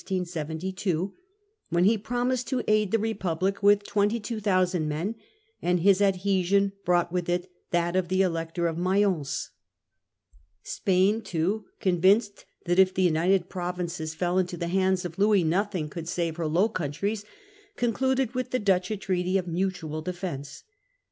The Dutch and French Armies. 203 1672, when he promised to aid the Republic with 22,000 men ; and his adhesion brought with it that of the Elector of Mayence. Spain too, convinced that if the United Provinces fell into the hands of Louis nothing could save her Low Countries, concluded with the Dutch a treaty of mutual defence.